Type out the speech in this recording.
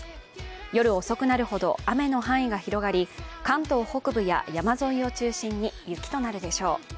夜遅くなるほど雨の範囲が広がり、関東北部や山沿いを中心に雪となるでしょう。